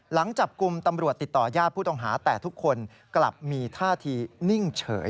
หลังจับกลุ่มตำรวจติดต่อยาดผู้ต้องหาแต่ทุกคนกลับมีท่าทีนิ่งเฉย